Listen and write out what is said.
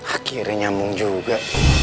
akhirnya muncul juga